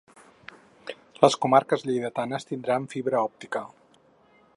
Les comarques lleidatanes tindran fibra òptica.